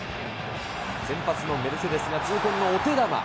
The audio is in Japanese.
先発のメルセデスが痛恨のお手玉。